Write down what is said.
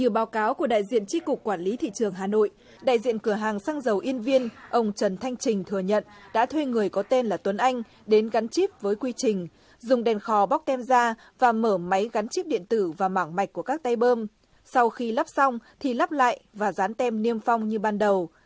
báo cáo của đại diện tri cục quản lý thị trường hà nội đại diện cửa hàng xăng dầu yên viên ông trần thanh trình thừa nhận đã thuê người có tên là tuấn anh đến gắn chip với quy trình dùng đèn khò bóc tem da và mở máy gắn chip điện tử và mảng mạch của các tay bơm sau khi lắp xong thì lắp lại và dán tem niêm phong như ban đầu